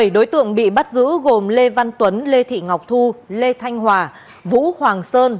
bảy đối tượng bị bắt giữ gồm lê văn tuấn lê thị ngọc thu lê thanh hòa vũ hoàng sơn